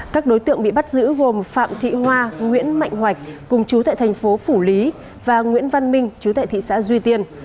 các đối tượng bị bắt giữ gồm phạm thị hoa nguyễn mạnh cùng chú tại thành phố phủ lý và nguyễn văn minh chú tại thị xã duy tiên